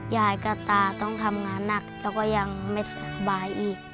ยายกับตาต้องทำงานหนักแล้วก็ยังไม่สบายอีก